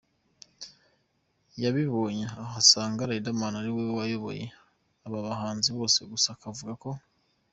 yabibonye, aho asanga Riderman ari we wayoboye aba bahanzi bose gusa akavuga ko.